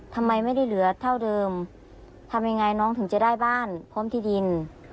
ทำไมไม่ได้เหลือเท่าเดิมทำยังไงน้องถึงจะได้บ้านพร้อมที่ดิน